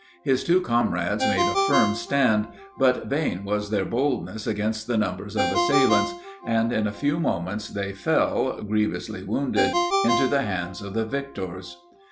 His two comrades made a firm stand: but vain was their boldness against the numbers of assailants, and in a few moments they fell, grievously wounded, into the hands of the victors.